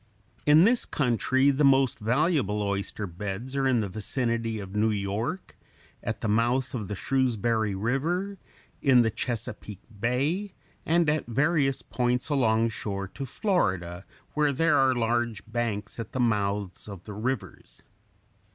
In this country the most valuable oyster beds are in the vicinity of New York, at the mouth of the Shrewsbury River, in the Chesapeake Bay, and at various points alongshore to Florida, where there are large banks at the mouths of the rivers.